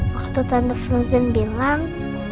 waktu tante frozen bilang